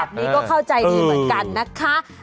แบบนี้ก็เข้าใจดีเหมือนกันนะคะ